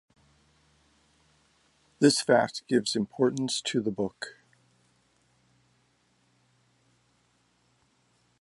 This fact gives importance to the book.